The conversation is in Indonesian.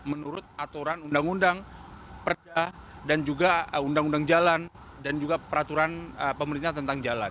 menurut aturan undang undang perda dan juga undang undang jalan dan juga peraturan pemerintah tentang jalan